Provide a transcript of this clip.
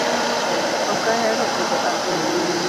Ok ahero budho abudha.